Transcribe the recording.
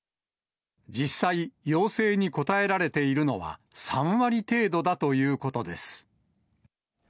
実際、要請に応えられているのは、３割程度だということです。